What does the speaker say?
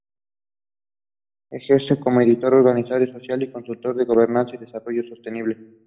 Ejerce como editor, organizador social y consultor en gobernanza y desarrollo sostenible.